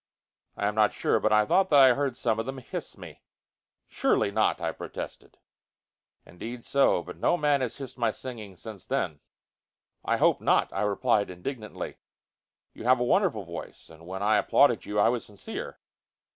I am not sure, but I thought that I heard some of them hiss me." "Surely not!" I protested. "Indeed, so. But no man has hissed my singing since then." "I hope not!" I replied indignantly. "You have a wonderful voice, and, when I applauded you, I was sincere.